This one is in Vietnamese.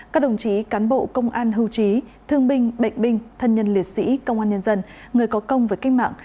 các đồng chí cán bộ công an hưu trí thương binh bệnh binh thân nhân liệt sĩ công an nhân dân người có công với kinh mạng